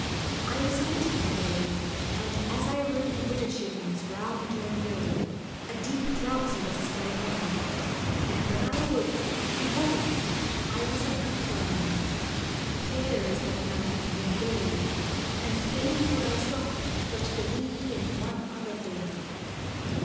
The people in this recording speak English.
"I was hunting one day, and as I rode widershins round yon hill, a deep drowsiness fell upon me, and when I awoke, behold! I was in Elfland. Fair is that land and gay, and fain would I stop but for thee and one other thing.